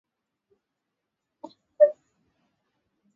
Tumia dawa za kuuzuia ugonjwa huu japo kwa ushauri wa afisa wa afya